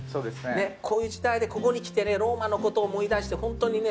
こういう時代でここに来てローマのことを思い出してホントにね。